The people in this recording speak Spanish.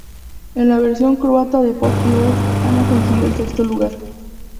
En la versión croata de Pop Idol, Ana consiguió el sexto lugar.